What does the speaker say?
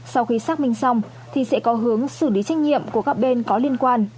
sau khi xác minh xong thì sẽ có hướng xử lý trách nhiệm của các bên có liên quan